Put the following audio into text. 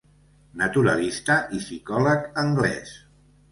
Naturalista i psicòleg anglès.